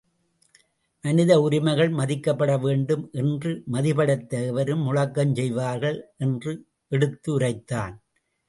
மனித உரிமைகள் மதிக்கப்பட வேண்டும் என்று மதி படைத்த எவரும் முழக்கம் செய்வார்கள் என்று எடுத்து உரைத்தான்.